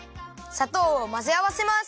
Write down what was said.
さとうをまぜあわせます。